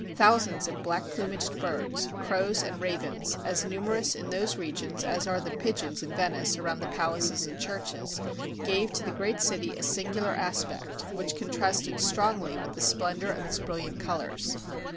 Thousands of black plumaged birds, crows and ravens, as numerous in those regions as are the pigeons in Ven ice around the palaces and churches, gave to the great city a singular aspect which contrasted strongly with the splendor of its brilliant colors.